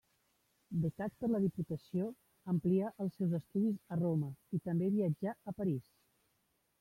Becat per la Diputació, amplià els seus estudis a Roma i també viatjà a París.